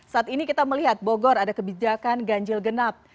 saat ini kita melihat bogor ada kebijakan ganjil genap